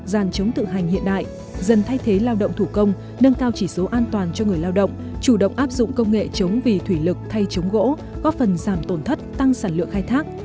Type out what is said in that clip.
giàn chống tự hành hiện đại dần thay thế lao động thủ công nâng cao chỉ số an toàn cho người lao động chủ động áp dụng công nghệ chống vì thủy lực thay chống gỗ góp phần giảm tổn thất tăng sản lượng khai thác